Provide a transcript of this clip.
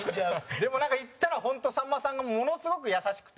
でも、行ったら本当、さんまさんがものすごく優しくて。